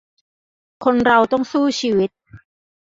คนเราต้องสู้ชีวิต